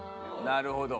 なるほど。